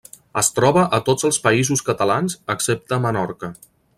Es troba a tots els Països Catalans excepte a Menorca.